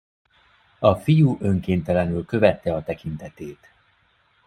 A fiú önkéntelenül követte a tekintetét.